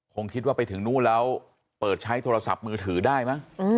คงคิดว่าไปถึงนู่นแล้วเปิดใช้โทรศัพท์มือถือได้มั้ง